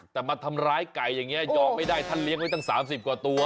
แต่มาทำร้ายไก่อย่างนี้ยอมไม่ได้ท่านเลี้ยงไว้ตั้ง๓๐กว่าตัว